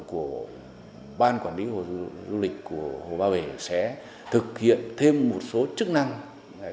của ban quản lý du lịch hồ ba bể sẽ thực hiện thêm một số chức năng